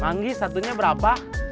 manggi satunya berapa